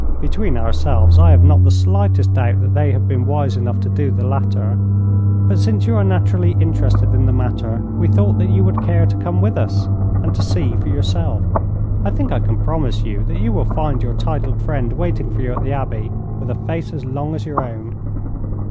Between ourselves, I have not the slightest doubt that they have been wise enough to do the latter. But since you are naturally interested in the matter, we thought that you would care to come with us and to see for yourself. I think I can promise you that you will find your titled friend waiting for you at the Abbey with a face as long as your own.'